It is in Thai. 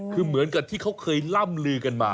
คือเหมือนกับที่เขาเคยล่ำลือกันมา